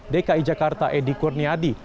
dki jakarta edi kurniadi